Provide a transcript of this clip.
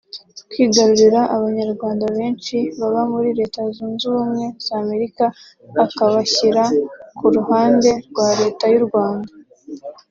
Kwigarurira abanyarwanda benshi baba muri Leta Zunze ubumwe z’Amerika akabashyira ku ruhande rwa Leta y’u Rwanda